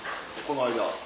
この間。